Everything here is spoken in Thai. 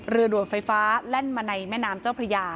ด่วนไฟฟ้าแล่นมาในแม่น้ำเจ้าพระยา